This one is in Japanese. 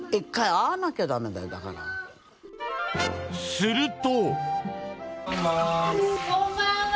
すると。